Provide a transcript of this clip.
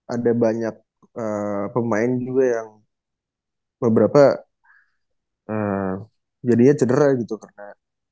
ada banyak pemain juga yang beberapa jadinya cedera gitu karena